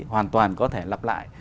hoàn toàn có thể lặp lại